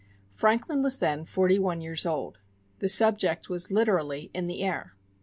Franklin was then forty one years old. The subject was literally "in the air."